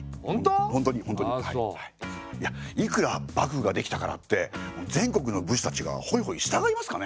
いやいくら幕府ができたからって全国の武士たちがホイホイ従いますかね？